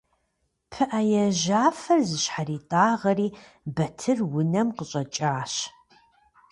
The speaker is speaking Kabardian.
ПыӀэ яжьафэр зыщхьэритӀагъэри Батыр унэм къыщӀэкӀащ.